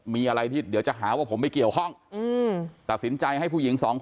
มีอะไรที่เดี๋ยวจะหาว่าผมไปเกี่ยวข้องอืมตัดสินใจให้ผู้หญิงสองคน